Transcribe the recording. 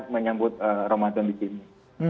menyambut ramadan di sini